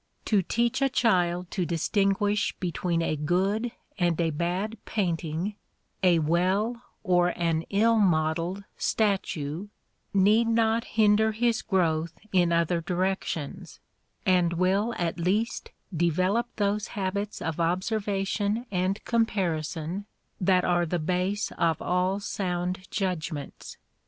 To teach a child to distinguish between a good and a bad painting, a well or an ill modelled statue, need not hinder his growth in other directions, and will at least develop those habits of observation and comparison that are the base of all sound judgments.